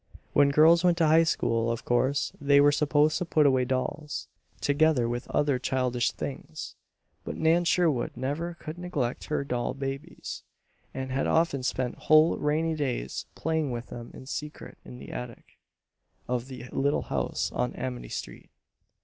When girls went to high school, of course they were supposed to put away dolls, together with other childish things. But Nan Sherwood never could neglect her doll babies and had often spent whole rainy days playing with them in secret in the attic of the little house on Amity Street.